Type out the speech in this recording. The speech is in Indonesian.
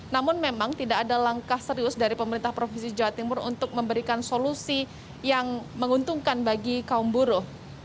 namun memang tidak ada langkah serius dari pemerintah provinsi jawa timur untuk memberikan solusi yang menguntungkan bagi kaum buruh